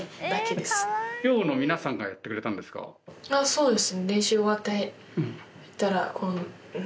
そうです。